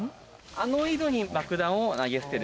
あの井戸に爆弾を投げ捨てる。